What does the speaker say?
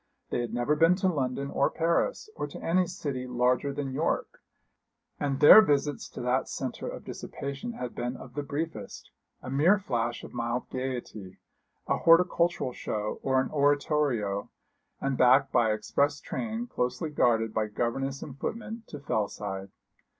They had never been to London or Paris, or to any city larger than York; and their visits to that centre of dissipation had been of the briefest, a mere flash of mild gaiety, a horticultural show or an oratorio, and back by express train, closely guarded by governess and footmen, to Fellside.